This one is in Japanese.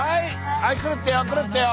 はい来るってよ来るってよ。